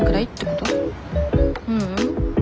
ううん。